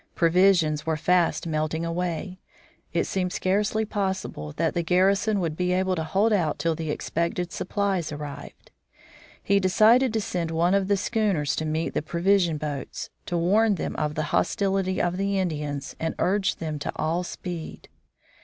Provisions were fast melting away. It seemed scarcely possible that the garrison would be able to hold out till the expected supplies arrived. He decided to send one of the schooners to meet the provision boats, to warn them of the hostility of the Indians and urge them to all speed.